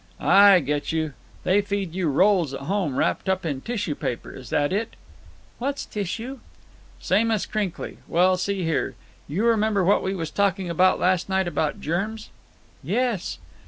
"I get you. They feed you rolls at home wrapped up in tissue paper, is that it?" "What's tissue?" "Same as crinkly. Well, see here. You remember what we was talking about last night about germs?" "Yes."